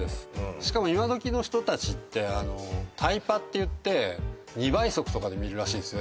しかも今どきの人たちってタイパっていって２倍速とかで見るらしいんですよ